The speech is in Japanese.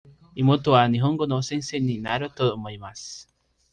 妹は日本語の先生になろうと思っています。